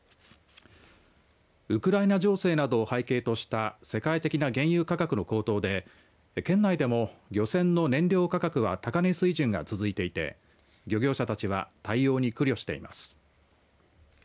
ウクライナ情勢などを背景とした世界的な原油価格の高騰で県内でも、漁船の燃料価格は高値水準が続いていて漁業者たちは対応に苦慮しています。